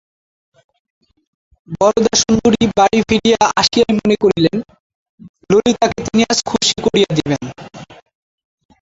বরদাসুন্দরী বাড়ি ফিরিয়া আসিয়াই মনে করিলেন, ললিতাকে তিনি আজ খুশি করিয়া দিবেন।